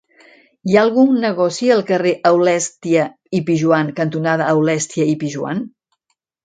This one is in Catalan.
Hi ha algun negoci al carrer Aulèstia i Pijoan cantonada Aulèstia i Pijoan?